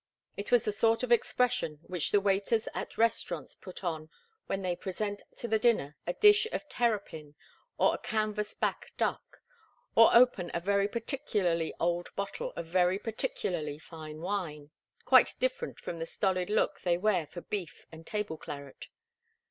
It was the sort of expression which the waiters at restaurants put on when they present to the diner a dish of terrapin or a canvas back duck, or open a very particularly old bottle of very particularly fine wine quite different from the stolid look they wear for beef and table claret.